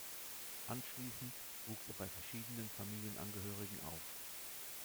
Anschließend wuchs er bei verschiedenen Familienangehörigen auf.